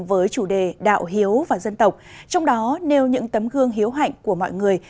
với chủ đề đạo hiếu và dân tộc trong đó nêu những tấm gương hiếu hạnh của mọi người